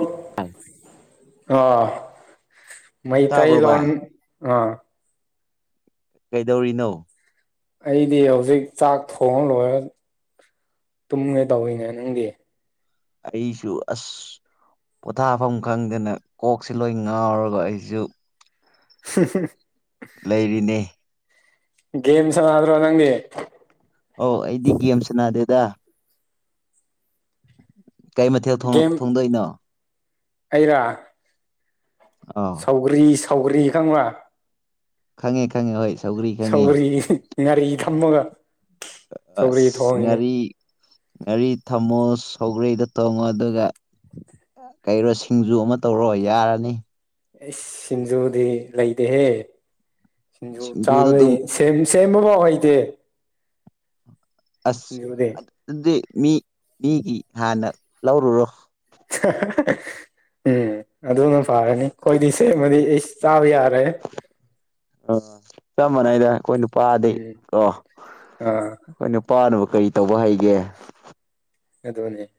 ꯚꯥꯏ, ꯑꯥ ꯇꯥꯕ꯭ꯔꯣ ꯃꯩꯇꯩꯂꯣꯟ ꯚꯥꯏ ꯑꯥ ꯀꯩꯗꯧꯔꯤꯅꯣ? ꯑꯩꯗꯤ ꯍꯧꯖꯤꯛ ꯆꯥꯛ ꯊꯣꯡꯉ ꯂꯣꯏꯔ ꯇꯨꯝꯒꯦ ꯇꯧꯏꯅꯦ ꯅꯪꯗꯤ ꯑꯩꯁꯨ ꯑꯁ ꯄꯣꯊꯥꯐꯝ ꯈꯪꯗꯅ ꯀꯣꯛꯁꯤ ꯂꯣꯏ ꯉꯥꯎꯔꯒ ꯑꯩꯁꯨ [unintelligible] ꯂꯩꯔꯤꯅꯤ ꯒꯦꯝ ꯁꯥꯅꯗ꯭ꯔꯣ ꯅꯪꯗꯤ? ꯑꯧ ꯑꯩꯗꯤ ꯒꯦꯝꯁ ꯁꯅꯥꯗꯦꯗ꯫ ꯀꯩ ꯃꯊꯦꯜ ꯊꯣꯡ ꯒꯦꯝ ꯊꯣꯡꯗꯣꯏꯅꯣ? ꯑꯩꯔꯥ ꯑꯧ ꯎꯔꯤ ꯁꯧꯒ꯭ꯔꯤ ꯈꯪꯕ꯭ꯔꯥ? ꯈꯪꯉꯤ ꯈꯪꯉꯤ ꯍꯣꯏ ꯁꯧꯒ꯭ꯔꯤ ꯈꯪꯉꯤ ꯁꯧꯒ꯭ꯔꯤ ꯉꯥꯔꯤ ꯊꯝꯃꯒ ꯁꯧꯒ꯭ꯔꯤ ꯑꯁ ꯊꯣꯡꯉꯤꯅꯦ ꯉꯥꯔꯤ ꯉꯥꯔꯤ ꯊꯝꯃꯣ ꯁꯧꯒ꯭ꯔꯤꯗꯣ ꯊꯣꯡꯉꯣ ꯑꯗꯨꯒ ꯀꯩꯔꯣ ꯁꯤꯡꯖꯨ ꯑꯃ ꯇꯧꯔꯣ ꯌꯥꯔꯅꯤ ꯑꯩꯁ ꯁꯤꯡꯖꯨꯗꯤ ꯂꯩꯇꯦꯍꯦ ꯁꯤꯡꯖꯨ ꯁꯤꯡꯖꯨꯗꯣ ꯆꯥꯕꯗꯤ ꯑꯗꯨꯝ [unintelligible] ꯁꯦꯝꯕ ꯐꯥꯎ ꯍꯩꯇꯦ ꯑꯁ ꯁꯤꯡꯖꯨꯗꯤ ꯑꯗꯨꯗꯤ ꯃꯤ ꯃꯤꯒꯤ ꯍꯥꯟꯅ ꯂꯧꯔꯨꯔꯣ ꯎꯝ ꯑꯗꯨꯅ ꯐꯥꯔꯅꯤ ꯈꯣꯏꯗꯤ ꯁꯦꯝꯃꯗꯤ ꯑꯩꯁ ꯆꯥꯕ ꯌꯥꯔꯦ ꯑꯥ ꯆꯞ ꯃꯥꯟꯅꯩꯗ ꯑꯈꯣꯏ ꯅꯨꯄꯥꯗꯤ ꯎꯝ ꯀꯣ ꯑꯥ ꯈꯣꯏ ꯅꯨꯄꯥꯅꯕ ꯀꯔꯤ ꯇꯧꯕ ꯍꯩꯒꯦ? ꯑꯗꯨꯅꯦ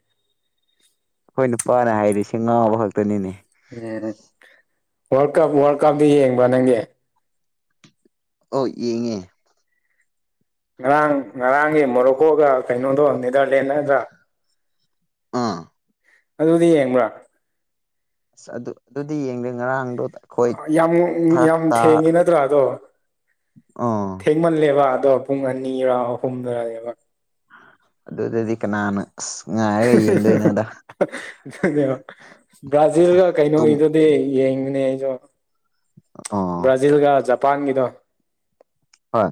ꯑꯈꯣꯏ ꯅꯨꯄꯥꯅ ꯍꯥꯏꯔꯤꯁꯤ ꯉꯥꯎꯕ ꯈꯛꯇꯅꯤꯅꯦ꯫ ꯎꯝ ꯋꯥꯔꯜ ꯀꯞ ꯋꯥꯔꯜ ꯀꯞꯇꯤ ꯌꯦꯡꯕ꯭ꯔ ꯅꯪꯗꯤ ꯑꯣ ꯌꯦꯡꯉꯦ ꯉꯔꯥꯡ ꯉꯔꯥꯡꯒꯤ ꯃꯣꯔꯣꯀꯣꯒ ꯀꯩꯅꯣꯗꯣ ꯅꯦꯗꯔꯂꯦꯟ ꯅꯠꯇ꯭ꯔꯥ ꯑꯥ ꯑꯗꯨꯗꯤ ꯌꯦꯡꯕ꯭ꯔꯥ ꯑꯁ ꯑꯗꯨ ꯑꯗꯨꯗꯤ ꯌꯦꯡꯗꯦ ꯉꯔꯥꯡꯗꯣꯗ ꯌꯥꯝ ꯌꯥꯝ ꯊꯦꯡꯉꯤ ꯅꯠꯇ꯭ꯔꯥ ꯑꯗꯣ ꯑꯣ ꯊꯦꯡꯃꯜꯂꯦꯕ ꯑꯗꯣ ꯄꯨꯡ ꯑꯅꯤꯔꯥ ꯑꯍꯨꯝꯗꯔꯅꯦꯕ ꯑꯗꯨꯗꯗꯤ ꯀꯅꯥꯅ ꯑꯁ ꯉꯥꯏ [unintelligible] ꯕ꯭ꯔꯥꯖꯤꯜꯒ ꯇꯨꯝ ꯀꯩꯅꯣꯒꯤꯗꯨꯗꯤ ꯌꯦꯡꯕꯅꯦ ꯑꯩꯖꯨ ꯑꯥ ꯕ꯭ꯔꯥꯖꯤꯜꯒ ꯖꯄꯥꯟꯒꯤꯗꯣ ꯍꯣꯏ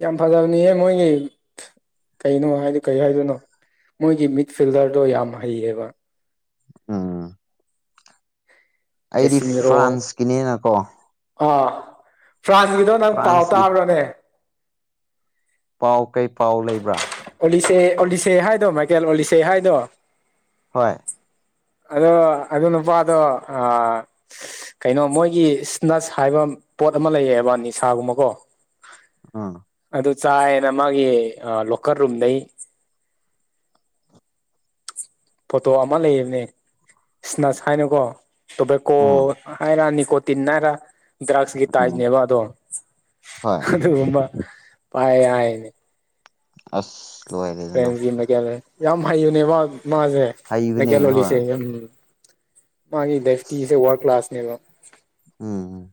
ꯌꯥꯝ ꯐꯖꯕꯅꯤꯍꯦ ꯃꯣꯏꯒꯤ ꯀꯩꯅꯣ ꯍꯥꯏꯗꯤ ꯀꯩ ꯍꯥꯏꯗꯣꯏꯅꯣ ꯃꯣꯏꯒꯤ ꯃꯤꯠ ꯐꯤꯜꯗꯔꯗꯣ ꯌꯥꯝ ꯍꯩꯌꯦꯕ ꯎꯝ ꯑꯩꯗꯤ ꯀꯦꯁꯤꯃꯤꯔꯣ ꯐ꯭ꯔꯥꯟꯁꯀꯤꯅꯤꯅꯀꯣ ꯑꯥ ꯐ꯭ꯔꯥꯟꯁꯀꯤꯗꯣ ꯅꯪ ꯄꯥꯎ ꯐ꯭ꯔꯥꯟꯁꯀꯤ ꯇꯥꯕ꯭ꯔꯥꯅꯦ ꯄꯥꯎ ꯀꯩ ꯄꯥꯎ ꯂꯩꯕ꯭ꯔꯥ ꯑꯣꯂꯤꯁꯦ ꯑꯣꯂꯤꯁꯦ ꯍꯥꯏꯗꯣ ꯃꯥꯏꯀꯦꯜ ꯑꯣꯂꯤꯁꯦ ꯍꯥꯏꯗꯣ ꯍꯣꯏ ꯑꯗꯣ ꯑꯗꯨ ꯅꯨꯄꯥꯗꯣ ꯑꯥ ꯀꯩꯅꯣ ꯃꯣꯏꯒꯤ ꯁ꯭ꯅꯠꯁ ꯍꯥꯏꯕ ꯄꯣꯠ ꯑꯃ ꯂꯩꯌꯦꯕ ꯅꯤꯁꯥꯒꯨꯝꯕꯀꯣ ꯑꯥ ꯑꯗꯨ ꯆꯥꯏꯅ ꯃꯥꯒꯤ ꯑꯥ ꯂꯣꯀꯔ ꯔꯨꯝꯗꯩ ꯐꯣꯇꯣ ꯑꯃ ꯂꯩꯌꯦꯕꯅꯦ ꯁ꯭ꯅꯠꯁ ꯍꯥꯏꯅꯀꯣ ꯇꯣꯕꯦꯀꯣ ꯎꯝ ꯍꯥꯏꯔꯥ ꯅꯤꯀꯣꯇꯤꯟ ꯍꯥꯏꯔ ꯗ꯭ꯔꯛꯁꯀꯤ ꯎꯝ ꯇꯥꯏ꯭ꯞꯠꯅꯦꯕ ꯑꯗꯣ ꯍꯣꯏ ꯑꯗꯨꯒꯨꯝꯕ ꯄꯥꯏ ꯍꯥꯏꯌꯦꯅꯦ ꯑꯁ ꯂꯣꯏꯔꯦꯗꯅ ꯐ꯭ꯔꯦꯟꯁꯀꯤ ꯃꯦꯀꯦꯂꯔ ꯌꯥꯝ ꯍꯩꯕꯅꯦ ꯃꯥ ꯃꯥꯁꯦ ꯍꯩꯕꯅꯦ ꯍꯣꯏ ꯃꯦꯀꯦꯂꯣꯜꯂꯤꯁꯦ ꯎꯝ ꯌꯥꯝ ꯃꯥꯒꯤ [unintelligible] ꯋꯥꯔꯜ ꯀ꯭ꯂꯥꯁꯅꯦꯕ ꯎꯝ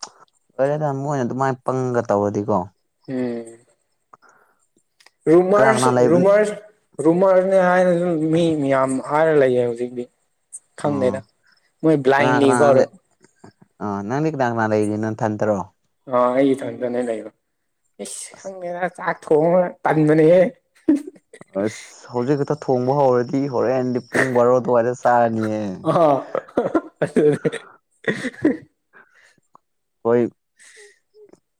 [unintelligible] ꯃꯣꯏꯅ ꯑꯗꯨꯃꯥꯏꯅ ꯄꯪꯅ ꯇꯧꯔꯗꯤꯀꯣ ꯎꯝ ꯀꯅꯥ ꯔꯨꯃꯔꯁ ꯀꯅꯥ ꯂꯩꯕ ꯔꯨꯃꯔꯁ ꯔꯨꯃꯔꯅꯦ ꯍꯥꯏꯅꯁꯨ ꯃꯤ ꯃꯤꯌꯥꯝ ꯍꯥꯏꯔ ꯂꯩꯌꯦ ꯍꯧꯖꯤꯛꯇꯤ ꯑꯥ ꯈꯪꯗꯦꯗ ꯃꯣꯏ ꯕ꯭ꯂꯥꯏꯟꯂꯤꯀꯣ ꯑꯣ ꯅꯪꯗꯤ ꯀꯅꯥ ꯀꯅꯥ ꯂꯩꯒꯦ ꯅꯊꯟꯇꯔꯣ ꯑꯣ ꯑꯩ ꯏꯊꯟꯇꯅꯦ ꯂꯩꯕ ꯢꯁ ꯑꯁ ꯈꯪꯗꯦꯗ ꯆꯥꯛ ꯊꯣꯡꯉꯥ ꯇꯟꯕꯅꯦꯍꯦ ꯑꯁ ꯍꯧꯖꯤꯛ ꯈꯛꯇ ꯊꯣꯡꯕ ꯍꯧꯔꯗꯤ ꯍꯣꯔꯦꯟꯗꯤ ꯄꯨꯡ ꯕꯥꯔꯣ ꯑꯗꯨꯋꯥꯏꯗ ꯆꯥꯔꯅꯤꯌꯦ ꯑꯥ [unintelligible] ꯍꯣꯏ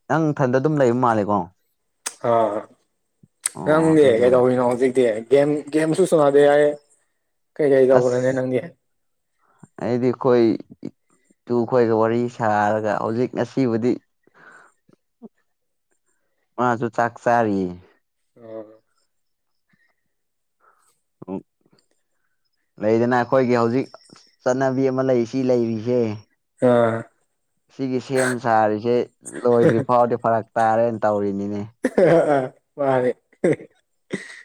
ꯅꯪ ꯊꯟꯗ ꯑꯗꯨꯝ ꯂꯩꯕ ꯃꯥꯜꯂꯦꯀꯣ ꯑꯥ ꯑꯣ ꯅꯪꯗꯤ ꯑꯗꯨꯒꯤ ꯑꯣꯏ ꯀꯩꯗꯧꯔꯤꯅꯣ ꯍꯧꯖꯤꯛꯇꯤ ꯒꯦꯝ ꯒꯦꯝꯁꯨ ꯁꯨꯟꯅꯗꯦ ꯍꯥꯏ ꯀꯩꯀꯩ ꯑꯁ ꯇꯧꯕ꯭ꯔꯥꯅꯦ ꯅꯪꯗꯤ ꯑꯩꯗꯤ ꯈꯣꯏ ꯇꯨ ꯈꯣꯏꯒꯥ ꯋꯥꯔꯤ ꯁꯥꯔꯒꯥ ꯍꯧꯖꯤꯛ ꯉꯁꯤꯕꯨꯗꯤ ꯃꯥꯖꯨ ꯆꯥꯛ ꯆꯥꯔꯤꯌꯦ ꯑꯣ [unintelligible] ꯂꯩꯗꯅ ꯑꯈꯣꯏꯒꯤ ꯍꯧꯖꯤꯛ ꯆꯠꯅꯕꯤ ꯑꯃ ꯂꯩꯔꯤ ꯁꯤ ꯂꯩꯔꯤꯁꯦ ꯑꯥ ꯁꯤꯒꯤ ꯁꯦꯝ ꯁꯥꯔꯤꯁꯦ ꯂꯣꯏꯗ꯭ꯔꯤ ꯐꯥꯎꯗꯤ ꯐꯔꯛ ꯇꯥꯔꯦꯟ ꯇꯧꯔꯤꯅꯤꯅꯦ ꯃꯥꯅꯤ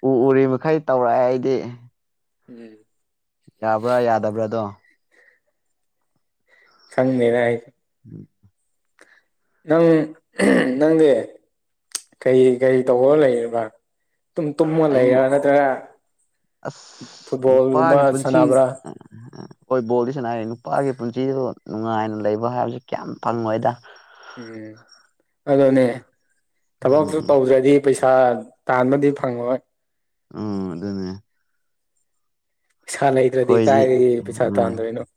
ꯎ ꯎꯔꯤ ꯃꯈꯩ ꯇꯧꯔꯛꯑꯦ ꯑꯩꯗꯤ [unintelligible] ꯌꯥꯕ꯭ꯔꯥ ꯌꯥꯗꯕ꯭ꯔꯥꯗꯣ ꯈꯡꯗꯦꯅꯦ ꯑꯩ ꯎꯝ ꯅꯪ ꯅꯪꯗꯤ ꯀꯩ ꯀꯩ ꯇꯧꯔꯒꯥ ꯂꯩꯔꯤꯕ ꯇꯨꯝ ꯇꯨꯝꯃꯒ ꯂꯩꯔꯥ ꯑꯩ ꯅꯠꯇ꯭ꯔꯥꯒ ꯑꯁ ꯅꯨꯄꯥꯒꯤ ꯄꯨꯟꯁꯤ ꯁꯥꯟꯅꯕ꯭ꯔꯥ [unintelligible] ꯍꯣꯏ ꯕꯣꯜꯗꯤ ꯁꯅꯥꯏ ꯅꯨꯄꯥꯒꯤ ꯄꯨꯟꯁꯤꯗꯒꯣ ꯅꯨꯡꯉꯥꯏꯅ ꯂꯩꯕ ꯍꯥꯏꯕꯁꯤ ꯀꯌꯥꯝ ꯐꯪꯉꯣꯏꯗꯥ ꯎꯝ ꯑꯗꯨꯅꯦ ꯊꯕꯛꯁꯨ ꯎꯝ ꯇꯧꯗ꯭ꯔꯥꯗꯤ ꯄꯩꯁꯥ ꯇꯥꯟꯕꯗꯤ ꯐꯪꯉꯣꯏ ꯎꯝ ꯑꯗꯨꯅꯦ ꯄꯩꯁꯥ ꯂꯩꯇ꯭ꯔꯥꯗꯤ ꯑꯩꯈꯣꯏꯗꯤ ꯀꯥꯏꯗꯒꯤ ꯄꯩꯁꯥ ꯎꯝ ꯇꯟꯗꯣꯏꯅꯣ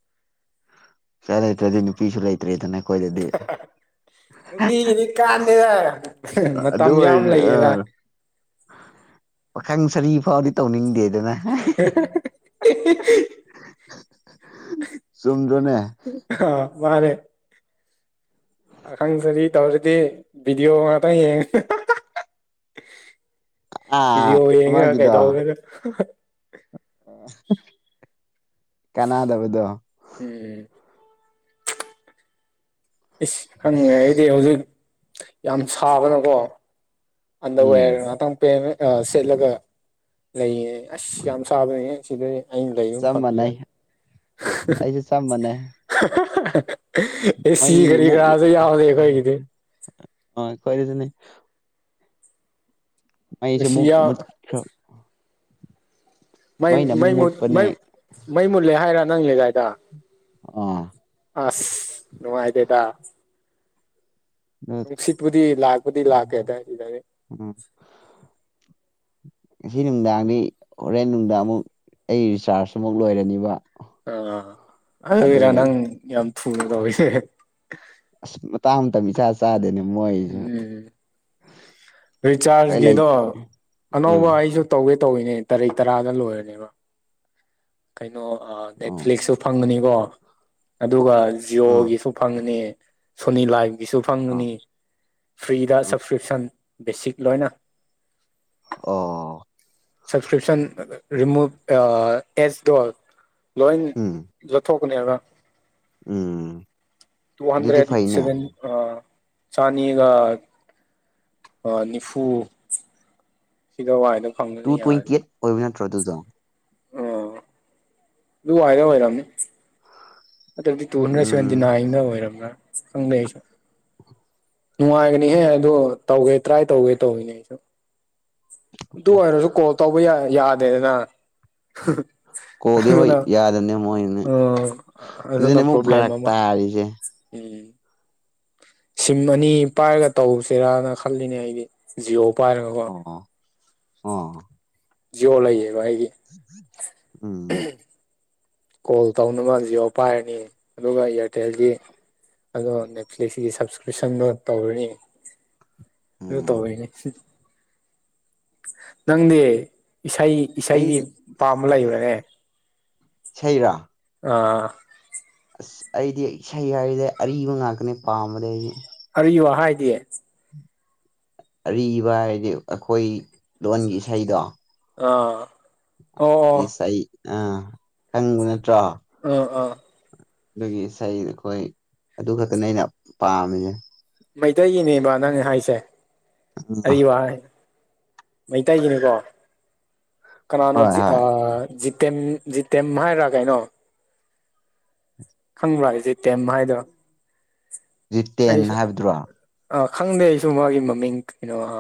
ꯄꯩꯁꯥ ꯂꯩꯇ꯭ꯔꯥꯗꯤ ꯅꯨꯄꯤꯁꯨ ꯂꯩꯇ꯭ꯔꯦꯗꯅ ꯑꯈꯣꯏꯗꯗꯤ ꯅꯨꯄꯤꯒꯤꯗꯤ ꯀꯥꯟꯗꯦꯗ ꯑꯗꯨ ꯃꯇꯝ ꯌꯥꯝ ꯂꯩꯌꯦꯗ ꯑꯣꯏꯔ ꯄꯥꯈꯪ ꯁꯔꯤ ꯐꯥꯎꯗꯤ ꯇꯧꯅꯤꯡꯗꯦ [unintelligible] ꯆꯨꯝꯗ꯭ꯔꯣꯅꯦ ꯑꯍꯥ ꯃꯥꯅꯦ ꯄꯥꯈꯪ ꯁꯥꯔꯤ ꯇꯧꯔꯥꯗꯤ ꯚꯤꯗꯤꯑꯣ ꯉꯥꯛꯇꯪ ꯌꯦꯡ ꯑꯥ ꯚꯤꯗꯤꯌꯣ ꯌꯦꯡꯉꯒ ꯑꯃꯒꯤꯗꯣ ꯀꯩꯗꯧꯔꯥꯒ ꯀꯅꯥꯗꯕꯗꯣ ꯎꯝ ꯏꯁ ꯈꯪꯉꯦ ꯑꯩꯗꯤ ꯑꯁ ꯍꯧꯖꯤꯛ ꯌꯥꯝ ꯁꯥꯕꯅꯀꯣ ꯑꯟꯗꯔ ꯎꯝ ꯋꯦꯔꯒ ꯉꯥꯇꯪ [unintelligible] ꯑꯥ ꯁꯦꯠꯂꯒ ꯂꯩꯌꯦ ꯑꯁ ꯌꯥꯝ ꯁꯥꯕꯅꯦꯍꯦ ꯁꯤꯗꯥꯗꯤ ꯑꯩꯅ ꯂꯩꯔꯤ ꯆꯞ ꯃꯥꯟꯅꯩ ꯃꯐꯝꯖꯤꯌꯥꯔ ꯑꯩꯁꯨ ꯆꯞ ꯃꯥꯟꯅꯩ ꯑꯦꯁꯤ ꯃꯩ ꯀꯔꯤ ꯀꯔꯥꯁꯨ ꯌꯥꯎꯗꯦ ꯑꯩꯈꯣꯏꯒꯤꯗꯤ ꯑꯥ ꯑꯈꯣꯏꯗꯁꯨꯅꯤ ꯃꯩꯁꯦ ꯑꯦꯁꯤ ꯃꯨꯛ ꯌꯥꯎ ꯃꯨꯠꯈ꯭ꯔꯥ ꯃꯩ ꯃꯩꯅ ꯑꯃꯨꯛ ꯃꯩꯃꯨꯠ ꯃꯨꯠꯄꯅꯦ ꯃꯩ ꯃꯩ ꯃꯨꯜꯂꯦ ꯍꯥꯏꯔꯥ ꯅꯪꯒꯤꯒꯥꯏꯗꯥ ꯑꯥ ꯑꯁ ꯅꯨꯡꯉꯥꯏꯗꯦꯗ ꯑꯗꯨ ꯅꯨꯡꯁꯤꯠꯄꯨꯗꯤ ꯂꯥꯛꯄꯨꯗꯤ ꯂꯥꯛꯀꯦ ꯑꯗꯥꯏꯗꯤ ꯗꯥꯏꯔꯦꯛ ꯎꯝ ꯉꯁꯤ ꯅꯨꯡꯗꯥꯡꯗꯤ ꯍꯣꯔꯦꯟ ꯅꯨꯡꯗꯥꯡ ꯑꯃꯨꯛ ꯑꯩ ꯔꯤꯆꯥꯔꯖ ꯑꯃꯨꯛ ꯂꯣꯏꯔꯅꯤꯕ꯫ ꯑ ꯑꯗꯨꯒꯤꯔ ꯑꯗꯨꯏ ꯅꯪꯌꯥꯝ ꯊꯨꯅ ꯇꯧꯔꯤꯁꯦ? ꯑꯁ ꯃꯇꯥꯡ ꯏꯇ ꯝꯏꯆꯥ ꯆꯥꯗꯦꯅꯦ꯫ ꯃꯣꯏꯁꯨ ꯎꯝ ꯍꯣꯏ ꯂꯩ ꯔꯤꯆꯥꯔꯖꯒꯤꯗꯣ ꯑꯅꯧꯕ ꯎꯝ ꯑꯩꯁꯨ ꯇꯧꯒꯦ ꯇꯧꯋꯤꯅꯦ ꯇꯔꯤꯛ ꯇꯔꯥꯗ ꯂꯣꯏꯔꯅꯤꯕ꯫ ꯀꯩꯅꯣ ꯎꯝ ꯅꯦꯠꯐ꯭ꯂꯤꯛꯁꯁꯨ ꯐꯪꯒꯅꯤꯀꯣ ꯑꯗꯨꯒ ꯎꯝ ꯖꯤꯌꯣꯒꯤꯁꯨ ꯐꯪꯉꯅꯤ ꯁꯣꯅꯤ ꯂꯥꯏꯚꯒꯤꯁꯨ ꯎꯝ ꯐꯪꯉꯅꯤ ꯐ꯭ꯔꯤꯗ ꯎꯝ ꯁꯞꯁꯀ꯭ꯔꯤꯞꯁꯟ ꯕꯦꯁꯤꯛ ꯂꯣꯏꯅ꯫ ꯑꯣ꯫ ꯁꯞꯁꯀ꯭ꯔꯤꯞꯁꯟ ꯔꯤꯃꯨꯚ ꯑꯦꯁꯗꯣ ꯂꯣꯏ ꯎꯝ ꯂꯧꯊꯣꯛꯀꯅꯦ ꯍꯥꯏꯕ ꯎꯝ ꯇꯨ ꯑꯗꯨꯗꯤ ꯍꯟꯗ꯭ꯔꯦꯠ ꯐꯩꯅꯦ ꯁꯚꯦꯟ ꯑ ꯆꯅꯤꯒ ꯅꯤꯐꯨ ꯁꯤꯗꯣ ꯋꯥꯏꯗꯣ ꯐꯪꯗꯅ ꯌꯥꯔꯦ꯫ ꯑꯣꯏꯕꯩ ꯅꯇ꯭ꯔꯣ ꯑꯗꯨꯏꯗꯣ꯫ ꯑ꯫ ꯑꯗꯨ ꯋꯥꯏꯗ ꯑꯣꯏꯔꯝꯅꯤ꯫ ꯑꯗꯨꯗꯤ ꯇꯨ ꯍꯟꯗ꯭ꯔꯦꯗ ꯁꯚꯦꯟꯇꯤ ꯎꯝ ꯅꯥꯏꯗ ꯑꯣꯏꯔꯕ꯭ꯔꯥ ꯈꯪꯗꯦ ꯑꯩꯁꯨ꯫ ꯅꯨꯡꯉꯥꯏꯒꯅꯤꯍꯦ ꯑꯗꯨ ꯇꯧꯒꯦ ꯇ꯭ꯔꯥꯏ ꯇꯧꯒꯦ ꯇꯧꯋꯤꯅꯦ ꯑꯩꯁꯨ꯫ ꯑꯗꯨ ꯑꯣꯏꯔꯁꯨ ꯀꯣꯜ ꯇꯧꯕ ꯌꯥꯗꯦꯗꯅ꯫ ꯀꯣꯜꯗꯤ ꯍꯣꯏ ꯑꯗꯨꯅ ꯌꯥꯗꯕꯅꯦ ꯃꯣꯏꯅ ꯑꯥ ꯑꯗꯨꯅ ꯑꯗꯨꯅꯦ ꯑꯃꯨꯛ ꯄ꯭ꯔꯣꯕꯂꯦꯝ ꯐꯔꯛ ꯑꯃ꯫ ꯇꯥꯔꯤꯁꯦ ꯎꯝ꯫ ꯁꯤꯝ ꯑꯅꯤ ꯄꯥꯏꯔꯒ ꯇꯧꯁꯤꯔꯅ ꯈꯜꯂꯤꯅꯦ ꯑꯩꯗꯤ ꯖꯤꯌꯣ ꯄꯥꯏꯔꯒ ꯀꯣ꯫ ꯑꯥ꯫ ꯖꯤꯌꯣ ꯂꯩꯌꯦꯕ ꯑꯩꯒꯤ꯫ ꯎꯝ꯫ ꯀꯣꯜ ꯇꯧꯅꯕ ꯖꯤꯑꯣ ꯄꯥꯏꯔꯅꯤ ꯑꯗꯨꯒ ꯏꯌꯥꯔꯇꯦꯜꯗꯤ ꯑꯗꯣ ꯅꯦꯠꯐ꯭ꯂꯤꯛꯁꯀꯤ ꯁꯕꯁꯀ꯭ꯔꯤꯞꯁꯟꯗꯣ ꯇꯧꯔꯅꯤ꯫ ꯑꯗꯨ ꯎꯝ ꯇꯧꯔꯦꯅꯤ ꯅꯪꯗꯤ ꯏꯁꯩ ꯑꯩ ꯏꯁꯩꯗꯤ ꯄꯥꯝꯕ ꯂꯩꯕ꯭ꯔꯅꯦ꯫ ꯏꯁꯩꯔꯣ? ꯑꯥ꯫ ꯑꯁ ꯑꯩꯗꯤ ꯏꯁꯩ ꯍꯥꯏꯔꯤꯁꯦ ꯑꯔꯤꯕ ꯉꯥꯛꯇꯅꯤ ꯄꯥꯝꯕꯗꯤ ꯑꯩꯗꯤ꯫ ꯑꯔꯤꯕ ꯍꯥꯏꯗꯤ? ꯑꯔꯤꯕ ꯍꯥꯏꯗꯤ ꯑꯩꯈꯣꯏ ꯂꯣꯟꯒꯤ ꯏꯁꯩꯗꯣ꯫ ꯑꯥ꯫ ꯑꯣ ꯑꯣ ꯏꯁꯩ ꯑ ꯈꯪꯕ ꯅꯠꯇ꯭ꯔꯣ? ꯑꯥ ꯑꯥ꯫ ꯑꯗꯨꯒꯤ ꯏꯁꯩ ꯑꯩꯈꯣꯏ ꯑꯗꯨ ꯈꯛꯇꯅꯦ ꯑꯩꯅ ꯄꯥꯝꯃꯤꯁꯦ꯫ ꯃꯩꯇꯩꯒꯤꯅꯦꯕ ꯅꯪꯅ ꯍꯥꯏꯁꯦ ꯎꯝ ꯑꯔꯤꯕ ꯍꯥꯏ ꯃꯩꯇꯩꯒꯤꯅꯤꯀꯣ ꯀꯅꯥꯅꯣ ꯍꯣꯏ ꯑ ꯍꯣꯏ ꯖꯤꯇꯦꯝ ꯖꯤꯇꯦꯝ ꯍꯥꯏꯔꯥ ꯀꯥꯏꯩꯅꯣ? ꯈꯪꯕ꯭ꯔꯥ ꯖꯤꯇꯦꯝ ꯍꯥꯏꯗꯣ? ꯖꯤꯇꯦꯟ ꯍꯥꯏꯕꯗꯨꯔꯣ? ꯑ ꯈꯪꯗꯦ ꯑꯩꯁꯨ ꯃꯥꯒꯤ ꯃꯃꯤꯡ ꯀꯩꯅꯣ ꯑ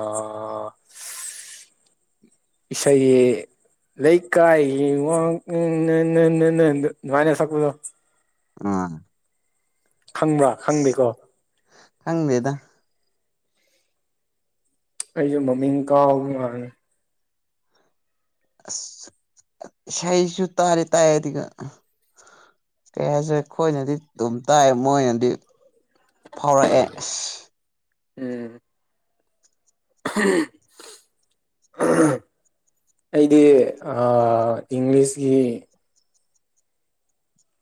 ꯏꯁꯩ ꯂꯩꯀꯥꯏ ꯋꯥꯡ ꯎꯝ ꯅꯅꯅꯦ ꯁꯨꯃꯥꯏꯅ ꯁꯛꯄꯗꯣ ꯑ ꯈꯪꯕ꯭ꯔꯥ ꯈꯪꯗꯦꯀꯣ ꯈꯪꯗꯦꯗ ꯑꯩꯁꯨ ꯃꯃꯤꯡ ꯀꯥꯎꯕ ꯃꯥꯥꯜꯂꯦ ꯏꯁꯩꯁꯨ ꯇꯥꯗꯤ ꯇꯥꯏ ꯑꯗꯨꯒ ꯀꯩ ꯍꯥꯏꯁꯦꯔꯦ ꯑꯩꯈꯣꯏꯅꯗꯤ ꯑꯗꯨꯝ ꯇꯥꯏ ꯃꯣꯏꯅꯗꯤ ꯐꯥꯎꯔꯛꯑꯦ ꯑꯁ ꯎꯝ [unintelligible] ꯑ ꯑꯩꯗꯤ ꯑꯥ ꯏꯪꯂꯤꯁꯀꯤ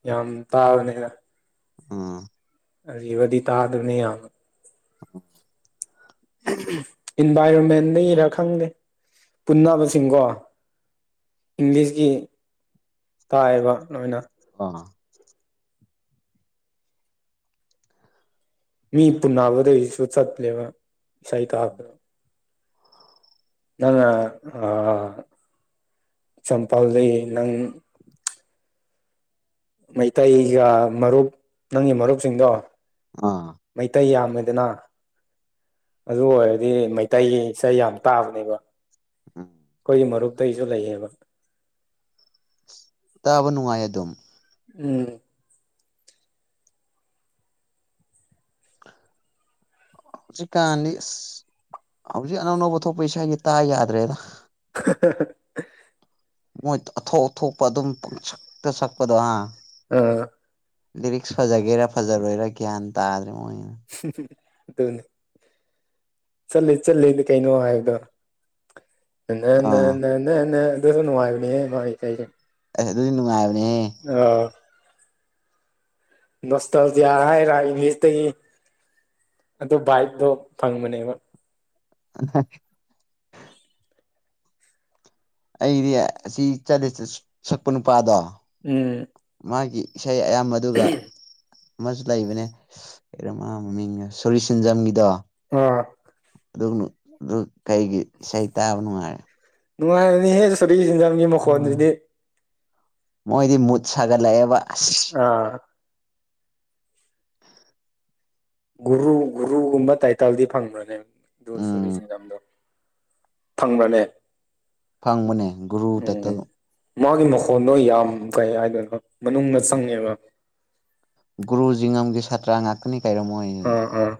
ꯌꯥꯝ ꯇꯥꯕꯅꯤꯅ ꯎꯝ ꯑꯔꯤꯕꯗꯤ ꯇꯥꯗꯕꯅꯤ ꯌꯥꯝꯅ [unintelligible] ꯏꯟꯚꯥꯏꯔꯣꯟꯃꯦꯟꯗꯒꯤꯔꯥ ꯈꯪꯗꯦ ꯄꯨꯟꯅꯕꯁꯤꯡꯀꯣ ꯏꯪꯂꯤꯁꯀꯤ ꯇꯥꯏꯕ ꯅꯣꯏꯅ ꯑꯣ ꯃꯤ ꯄꯨꯟꯟꯅꯕꯗꯁꯨ ꯆꯠꯂꯦꯕ ꯏꯁꯩꯏꯇ ꯅꯪꯔꯥ ꯑꯥ ꯆꯝꯄꯥꯜꯗ ꯅꯪ ꯃꯩꯇꯩꯒ ꯃꯔꯨꯞ ꯅꯪꯒꯤ ꯃꯔꯨꯞꯁꯤꯡꯗꯣ ꯑꯥ ꯃꯩꯇꯩ ꯌꯥꯝꯃꯦꯗꯅ ꯑꯗꯨ ꯑꯣꯏꯔꯗꯤ ꯃꯩꯇꯩꯒꯤ ꯏꯁꯩ ꯌꯥꯝ ꯇꯥꯕꯅꯦꯕ ꯎꯝ ꯈꯣꯏꯒꯤ ꯃꯔꯨꯞꯇꯩꯁꯨ ꯂꯩꯌꯦꯕ ꯇꯥꯕ ꯅꯨꯡꯉꯥꯏ ꯑꯗꯨꯝ ꯎꯝ ꯍꯧꯖꯤꯛ ꯀꯥꯟꯗꯤ ꯑꯁ ꯍꯧꯖꯤꯛ ꯑꯅꯧ ꯑꯅꯧꯕ ꯊꯣꯛꯄ ꯏꯁꯥꯒꯤ ꯇꯥ ꯌꯥꯗ꯭ꯔꯦꯗ [unintelligible] ꯃꯣꯏ ꯑꯊꯣꯛ ꯑꯊꯣꯛꯄ ꯑꯗꯨꯝ ꯄꯪꯁꯛꯇ ꯁꯛꯄꯗꯣ ꯍꯥ ꯑꯥ ꯂꯤꯔꯤꯛꯁ ꯐꯖꯒꯦꯔꯥ ꯐꯖꯔꯣꯏꯔꯥ ꯒ꯭ꯌꯥꯟ ꯇꯥꯗ꯭ꯔꯦ ꯃꯣꯏ ꯇꯨꯅꯤ ꯆꯠꯂꯦ ꯆꯠꯂꯦꯗꯤ ꯀꯩꯅꯣ ꯍꯥꯏꯕꯗꯣ ꯅ ꯅ ꯑꯥ ꯅ ꯅ ꯅ ꯑꯗꯨ ꯅꯨꯡꯥꯏꯕꯅꯦꯍꯦ ꯃꯥꯏ ꯀꯩꯅꯣ ꯑꯦ ꯑꯗꯨꯗꯤ ꯅꯨꯡꯉꯥꯏꯕꯅꯦꯍꯦ ꯑꯥꯥ ꯅꯣꯁꯇꯥꯜꯖꯤꯌꯥ ꯍꯥꯏꯔꯥ ꯏꯪꯂꯤꯁꯇꯒꯤ ꯑꯗꯨ ꯕꯥꯏꯗꯣ ꯐꯪꯕꯅꯦꯕ ꯑ ꯑꯩꯗꯤ ꯑꯁꯤ ꯆꯠꯂꯦ ꯁꯛꯄ ꯅꯨꯄꯥꯗꯣ ꯎꯝ ꯃꯥꯒꯤ ꯏꯁꯩ ꯑꯌꯥꯝꯕꯗꯨꯒ ꯑꯃꯁꯨ ꯂꯩꯕꯅꯦ ꯀꯩꯅꯣ ꯃꯥ ꯃꯃꯤꯡꯅ ꯁꯣꯔꯤ ꯁꯦꯟꯖꯝꯒꯤꯗꯣ ꯑꯥ ꯑꯗꯨꯝ ꯑꯗꯨ ꯀꯩꯒꯤ ꯏꯁꯩ ꯇꯥꯕ ꯅꯨꯡꯉꯥꯏꯔꯦ ꯅꯨꯡꯉꯥꯏꯕꯅꯤ ꯍꯦ ꯁꯣꯔꯤ ꯁꯦꯟꯖꯝꯒꯤ ꯃꯈꯣꯟꯗꯨꯗꯤ ꯃꯣꯏꯗꯤ ꯃꯨꯠ ꯁꯥꯒꯠꯂꯛꯑꯦꯕ ꯑꯁ ꯑꯥ [unintelligible] ꯒꯨꯔꯨ ꯒꯨꯔꯨꯒꯨꯝꯕ ꯇꯥꯏꯇꯜꯗꯤ ꯐꯪꯕ꯭ꯔꯅꯦ ꯑꯗꯨ ꯁꯣꯔꯤ ꯎꯝ ꯁꯦꯟꯖꯝꯗꯣ ꯐꯪꯕꯅꯦ ꯐꯪꯕꯅꯦ ꯒꯨꯔꯨ ꯇꯥꯏꯇꯜ ꯃꯥꯒꯤ ꯃꯈꯣꯟꯗꯣ ꯌꯥꯝ ꯀꯩ ꯍꯥꯏꯗꯣꯏꯅꯣ ꯈꯪ ꯃꯅꯨꯡꯗ ꯆꯪꯉꯦꯕ ꯒꯨꯔꯨꯖꯤꯉꯝꯒꯤ ꯁꯥꯇ꯭ꯔ ꯉꯥꯛꯇꯅꯤ ꯀꯩꯔꯣ ꯃꯣꯢ ꯑꯥ ꯑꯥ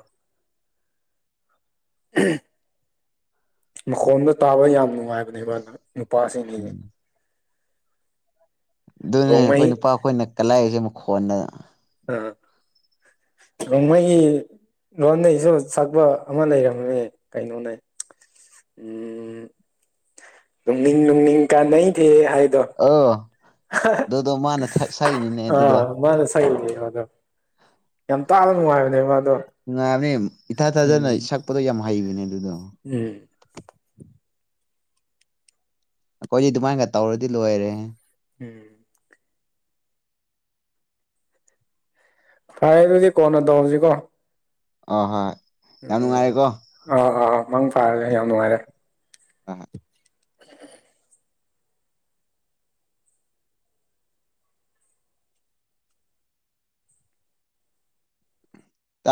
[unintelligible] ꯃꯈꯣꯟꯗꯣ ꯇꯥꯕ ꯌꯥꯝ ꯅꯨꯡꯉꯥꯏꯕꯅꯦꯕ ꯅꯨꯄꯥꯁꯤꯡꯗꯤ ꯎꯝ ꯗꯨꯅꯦ ꯔꯣꯡꯃꯩ ꯑꯈꯣꯏ ꯅꯨꯄꯥ ꯈꯣꯏꯅ ꯀꯜꯂꯥꯛꯏꯁꯦ ꯃꯈꯣꯟꯗ ꯑꯥ ꯔꯣꯡꯃꯩ ꯂꯣꯟꯅꯩꯁꯨ ꯁꯛꯄ ꯑꯃ ꯂꯩꯔꯝꯃꯦ ꯀꯩꯅꯣꯅꯦ ꯎꯝ ꯎꯝ ꯔꯨꯡꯅꯤꯡ ꯔꯨꯡꯅꯤꯡ ꯀꯥꯟꯅꯩꯗꯦ ꯍꯥꯏꯕꯗꯣ [unintelligible] ꯑꯣ ꯑꯗꯨꯗꯣ ꯃꯥꯅ ꯁꯛꯏꯅꯤꯅꯦ ꯑꯗꯨꯗꯣ ꯑꯥ ꯃꯥꯅ ꯁꯛꯢꯕꯅꯦ ꯑꯗꯣ ꯌꯥꯝ ꯇꯥꯕ ꯅꯨꯡꯉꯥꯏꯕꯅꯦ ꯃꯥꯗꯣ ꯎꯝ ꯄꯗꯣ ꯌꯥꯝ ꯍꯩꯕꯅꯦ ꯑꯗꯨꯗꯣ ꯎꯝ ꯑꯩꯈꯣꯏꯗꯤ ꯑꯗꯨꯃꯥꯏꯟꯒ ꯇꯧꯔꯗꯤ ꯂꯣꯏꯔꯦꯍꯦ ꯎꯝ ꯐꯔꯦ ꯑꯗꯨꯗꯤ ꯀꯣꯟꯅ ꯇꯧꯔꯁꯤꯀꯣ ꯑ ꯍꯣꯏ ꯌꯥꯝ ꯅꯨꯡꯉꯥꯏꯔꯦꯀꯣ ꯎꯝ ꯑꯥ ꯃꯪ ꯐꯥꯔꯁꯦ ꯌꯥꯝ ꯅꯨꯡꯉꯥꯏꯔꯦ ꯍꯣꯏ ꯍꯣꯏ [unintelligible]